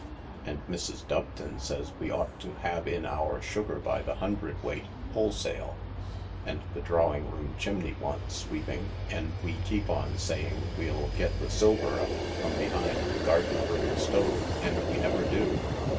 And Mrs. Doveton says we ought to have in our sugar by the hundredweight, wholesale ; and the drawing room chimney wants sweeping, and we keep on saying we'll get the silver up from behind the garden room stove, and we never do.